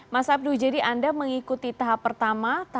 mas abduh jadi anda mengikuti tahap pertama